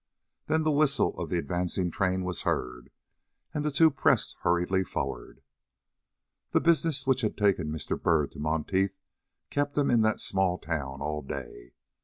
Then the whistle of the advancing train was heard, and the two pressed hurriedly forward. The business which had taken Mr. Byrd to Monteith kept him in that small town all day.